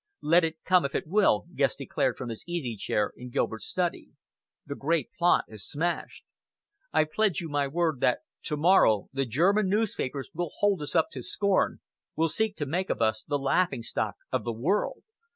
"Let it come if it will," Guest declared from his easy chair in Gilbert's study, "the great plot is smashed. I pledge you my word that to morrow the German newspapers will hold us up to scorn, will seek to make of us the laughing stock of the world.